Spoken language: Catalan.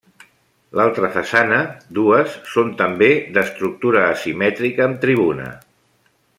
L'altra façana, dues, són també d'estructura asimètrica amb tribuna.